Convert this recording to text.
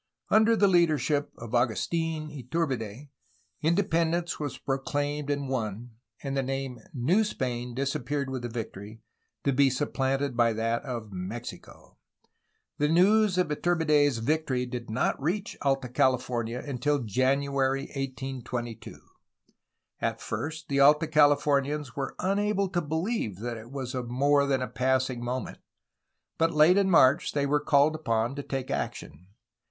Under the leadership of Agustfn Iturbide, independence was pro claimed and won, and the name ^^New Spain" disappeared with the victory, to be supplanted by that of "Mexico." The news of Iturbide's victory did not reach Alta California until January 1822. At first, the Alta Calif omians were unable to believe that it was of more than passing moment, but late in March they were called upon to take action.